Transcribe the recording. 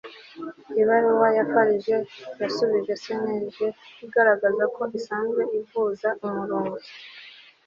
Ibaruwa ya FARG yashubije CNLG igaragaza ko isanzwe ivuza Umurungi